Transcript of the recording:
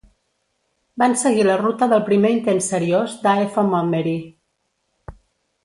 Van seguir la ruta del primer intent seriós d'A F Mummery.